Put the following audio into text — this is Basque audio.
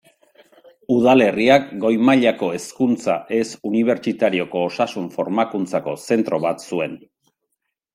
Udalerriak goi-mailako hezkuntza ez unibertsitarioko osasun-formakuntzako zentro bat zuen.